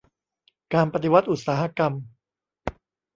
การปฏิวัติอุตสาหกรรม